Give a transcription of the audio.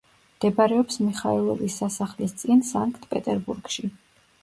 მდებარეობს მიხაილოვის სასახლის წინ სანქტ-პეტერბურგში.